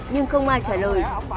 nhưng không ai trả lời